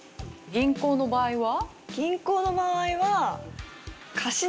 銀行の場合は。